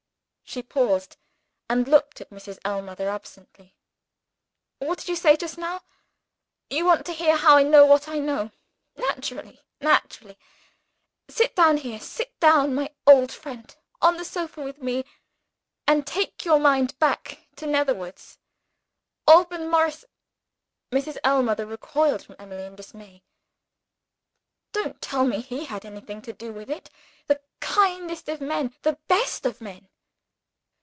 She paused, and looked at Mrs. Ellmother absently. "What did you say just now? You want to hear how I know what I know? Naturally! naturally! Sit down here sit down, my old friend, on the sofa with me and take your mind back to Netherwoods. Alban Morris " Mrs. Ellmother recoiled from Emily in dismay. "Don't tell me he had anything to do with it! The kindest of men; the best of men!"